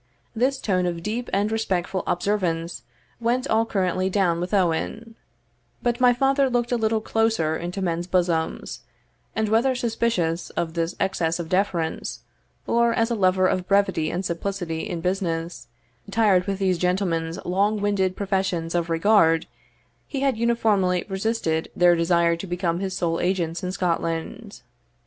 This tone of deep and respectful observance went all currently down with Owen; but my father looked a little closer into men's bosoms, and whether suspicious of this excess of deference, or, as a lover of brevity and simplicity in business, tired with these gentlemen's long winded professions of regard, he had uniformly resisted their desire to become his sole agents in Scotland.